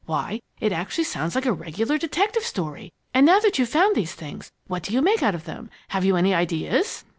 Why, it actually sounds like a regular detective story! And now that you've found these things, what do you make out of them? Have you any ideas?"